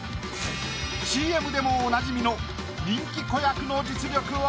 ＣＭでもおなじみの人気子役の実力は？